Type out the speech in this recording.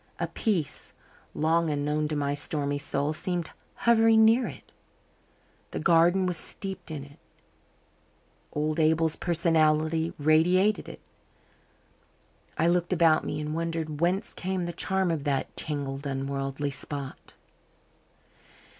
A peace, long unknown to my stormy soul, seemed hovering near it. The garden was steeped in it; old Abel's personality radiated it. I looked about me and wondered whence came the charm of that tangled, unworldly spot.